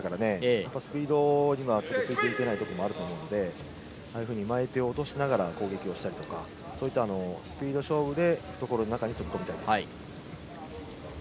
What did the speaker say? やっぱりスピードにはついていけないと思うのでああいうふうに前手を落としながら攻撃したりとかそういったスピード勝負で懐の中に飛び込みたいです。